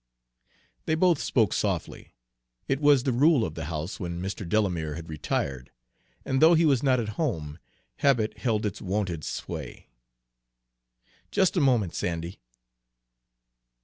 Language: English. They both spoke softly. It was the rule of the house when Mr. Delamere had retired, and though he was not at home, habit held its wonted sway. "Just a moment, Sandy."